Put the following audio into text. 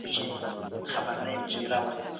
رښتینې نېکمرغي په پردیو هیوادونو کي نسته.